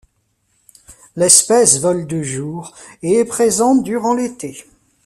L’espèce vole de jour et est présente durant l’été.